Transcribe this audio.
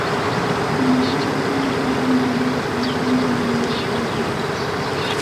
امریکی چاہتے ہیں کہ ہم ا ن کے لیے افغانستان کے معاملات درست کریں۔